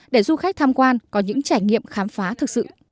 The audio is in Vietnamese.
để du khách tham quan có những trải nghiệm khám phá thực sự